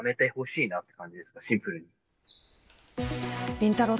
りんたろー。